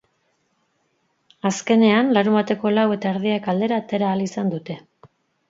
Azkenean, larunbateko lau eta erdiak aldera atera ahal izan dute.